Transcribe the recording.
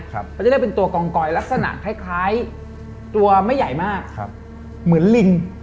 เขาจะเรียกเป็นตัวกองกอยลักษณะคล้ายตัวไม่ใหญ่มากเหมือนลิง